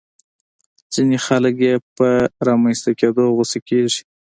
ځينې خلک يې په رامنځته کېدو غوسه کېږي.